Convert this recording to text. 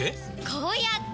こうやって！